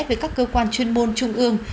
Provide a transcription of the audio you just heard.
với các cơ quan chuyên môn trung ương